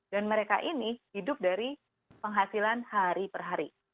dan mereka ini hidup dari penghasilan hari per hari